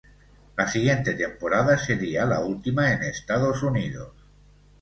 La siguiente temporada sería la última en Estados Unidos.